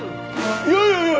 いやいやいや！